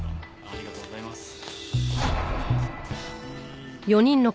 ありがとうございます。